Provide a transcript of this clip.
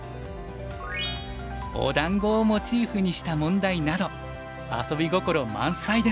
おだんごをモチーフにした問題など遊び心満載です。